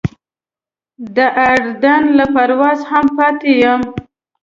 د اردن له پروازه هم پاتې یم.